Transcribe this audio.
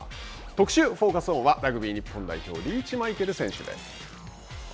特集「Ｆｏｃｕｓｏｎ」はラグビー日本代表リーチマイケル選手です。